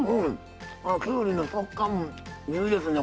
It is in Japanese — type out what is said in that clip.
きゅうりの食感もいいですね